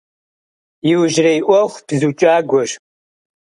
Иужьрей Iуэху бзу кIагуэщ.